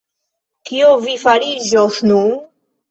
Kio vi fariĝos nun?